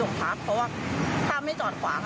แล้วตามหายาดของแม่ลูกคู่นี้